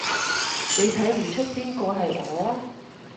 你睇唔岀邊個係我？